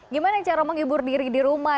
gimana cara menghibur diri di rumah